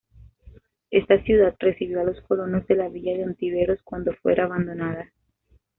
Esta ciudad recibió a los colonos de la Villa de Ontiveros cuando fuera abandonada.